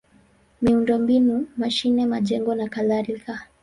miundombinu: mashine, majengo nakadhalika.